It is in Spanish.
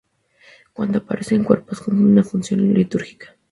Cuando aparecen cuerpos, cumple una función litúrgica.